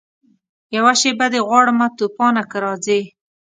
یوه شېبه دي غواړمه توپانه که راځې